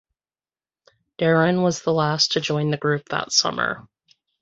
Derin was the last to join the group that summer.